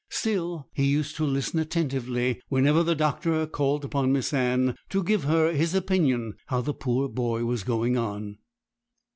Still he used to listen attentively whenever the doctor called upon Miss Anne, to give her his opinion how the poor boy was going on.